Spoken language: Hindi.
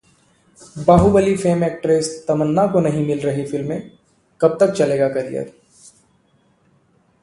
बाहुबली फेम एक्ट्रेस तमन्ना को नहीं मिल रहीं फिल्में, कब तक चलेगा करियर?